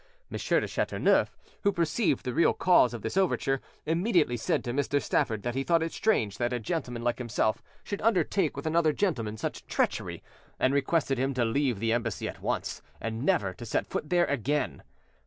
M. de Chateauneuf, who perceived the real cause of this overture, immediately said to Mr. Stafford that he thought it strange that a gentleman like himself should undertake with another gentleman such treachery, and requested him to leave the Embassy at once, and never to set foot there again.